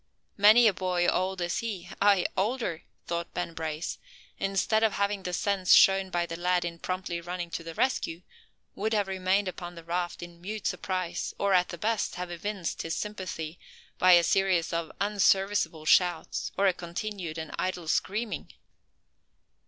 Many a boy old as he, ay, older, thought Ben Brace, instead of having the sense shown by the lad in promptly running to the rescue, would have remained upon the raft in mute surprise; or, at the best, have evinced his sympathy by a series of unserviceable shouts, or a continued and idle screaming.